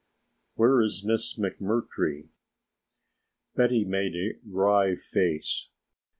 "Where is Miss McMurtry?" Betty made a wry face.